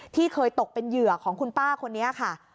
ที่เคยตกเป็นเหยื่อของคุณป้าคนนี้ค่ะ